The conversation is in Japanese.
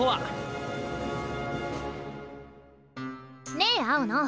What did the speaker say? ねえ青野！